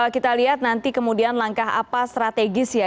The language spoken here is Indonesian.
kita lihat nanti kemudian langkah apa strategis ya